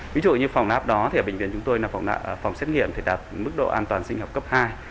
ví dụ như phòng xét nghiệm đạt mức độ an toàn sinh học cấp hai